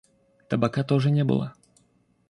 Табака тоже не было.